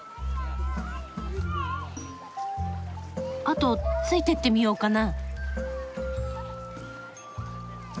後ついてってみようかな。